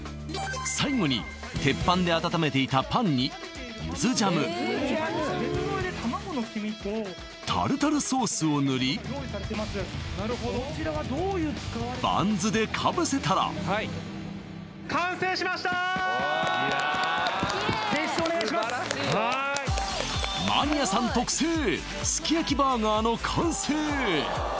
最後に鉄板で温めていたパンにゆずジャムタルタルソースを塗りバンズでかぶせたらマニアさん特製の完成